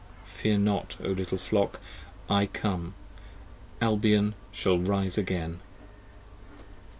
Fear not, O little Flock, I come: Albion shall rise again.